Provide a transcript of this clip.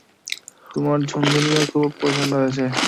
তোমার ঝুনঝুনিও খুব পছন্দ হয়েছে।